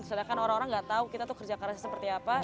sedangkan orang orang nggak tahu kita tuh kerja keras seperti apa